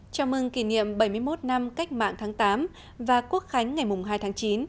chào mừng kỷ niệm bảy mươi một năm cách mạng tháng tám và quốc khánh ngày hai tháng chín